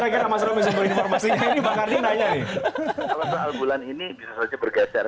kalau berambulan ini bisa saja bergeser